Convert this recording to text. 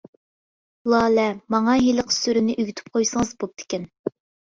-لالە، ماڭا ھېلىقى سۈرىنى ئۆگىتىپ قويسىڭىز بوپتىكەن.